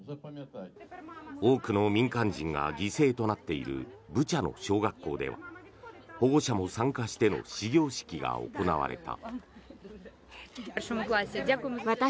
多くの民間人が犠牲となっているブチャの小学校では保護者も参加しての始業式が行われた。